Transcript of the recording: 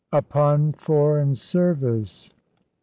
UPON FOREIGN SERVICE.